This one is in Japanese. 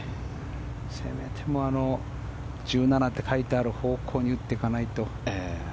せめて１７って書いてある方向に打っていかないと。